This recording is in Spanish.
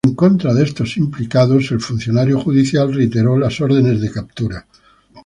En contra de estos implicados el funcionario judicial reiteró las órdenes de captura